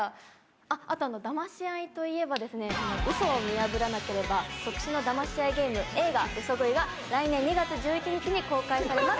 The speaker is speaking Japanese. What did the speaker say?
あっ、あと、だまし合いといえばですね、うそを見破らなければ即死のだまし合いゲーム、映画、嘘喰いが、来年２月１１日に公開されます。